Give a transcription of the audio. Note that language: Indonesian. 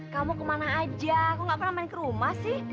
kamu kemana aja aku gak pernah main ke rumah sih